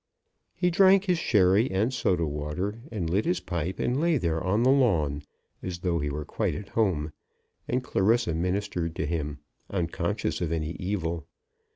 He drank his sherry and soda water, and lit his pipe, and lay there on the lawn, as though he were quite at home; and Clarissa ministered to him, unconscious of any evil.